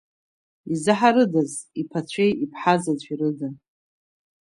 Изаҳарыдаз, иԥацәеи иԥҳазаҵәи рыда.